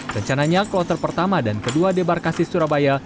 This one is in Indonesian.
rencananya kloter pertama dan kedua d barkasi surabaya